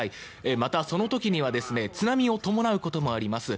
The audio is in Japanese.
また、その時には津波を伴うこともあります。